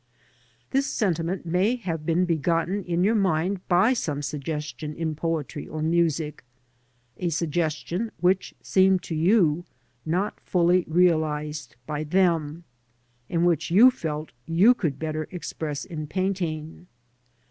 This sentiment may have been begotten in your mind by some suggestion in poetry or music, a suggestion which seemed to you not fully realised by them, and which you felt you could better express in painting.